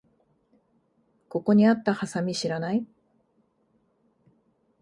ここにあったハサミ知らない？